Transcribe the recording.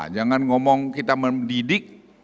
jangan ngomong kita mendidik